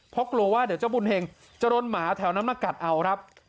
เพราะกลัวว่าเดี๋ยวเจ้าบุญเห็งจะโดนหมาแถวนั้นมากัดเอาครับ